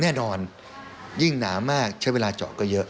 แน่นอนยิ่งหนามากใช้เวลาเจาะก็เยอะ